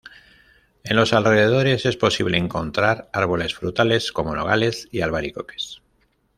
En los alrededores es posible encontrar árboles frutales como nogales y albaricoques.